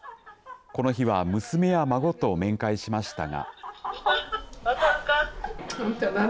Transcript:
この日は娘や孫と面会しましたが。